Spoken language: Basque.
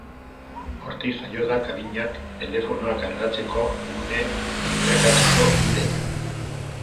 Hortik jaio da kabinak telefonoak kargatzeko gune bilakatzeko ideia.